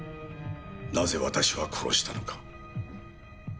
なぜ私は殺したのか？